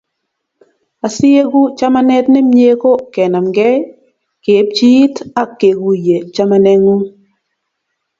Asi eku chamanet ne mie ko kenemgei, keepchi iit ak keguiyo chamaneng'ung'.